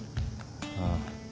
ああ。